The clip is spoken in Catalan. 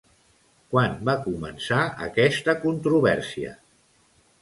Quan va començar aquesta controvèrsia?